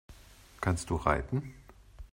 Kannst du reiten?